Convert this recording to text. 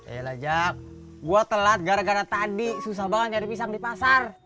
ya lajak gue telat gara gara tadi susah banget nyari pisang di pasar